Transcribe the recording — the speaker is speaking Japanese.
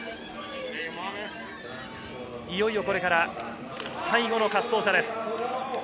いよいよこれから最後の滑走者です。